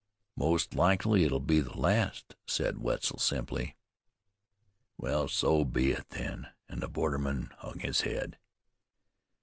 "Most likely it'll be the last," said Wetzel simply. "Well, so be it then," and the borderman hung his head.